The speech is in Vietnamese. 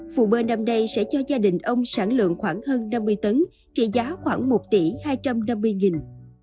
phụ bơ năm nay sẽ cho gia đình ông sản lượng khoảng hơn năm mươi tấn trị giá khoảng một tỷ hai trăm năm mươi nghìn